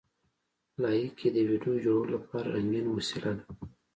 لایکي د ویډیو جوړولو لپاره رنګین وسیله ده.